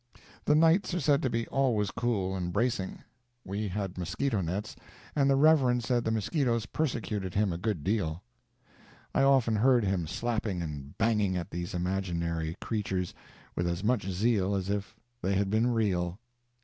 The nights are said to be always cool and bracing. We had mosquito nets, and the Reverend said the mosquitoes persecuted him a good deal. I often heard him slapping and banging at these imaginary creatures with as much zeal as if they had been real.